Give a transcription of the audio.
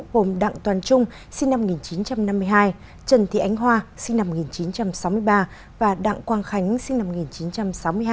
gồm đặng toàn trung sinh năm một nghìn chín trăm năm mươi hai trần thị ánh hoa sinh năm một nghìn chín trăm sáu mươi ba và đặng quang khánh sinh năm một nghìn chín trăm sáu mươi hai